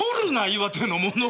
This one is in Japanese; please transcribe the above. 岩手のものを。